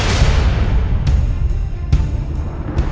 raja aku ada clara